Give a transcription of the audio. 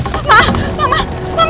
ya pak makasih ya pak